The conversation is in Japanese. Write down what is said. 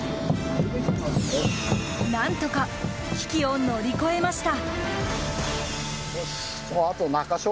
何とか危機を乗り越えました。